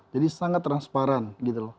jadi sangat transparan gitu loh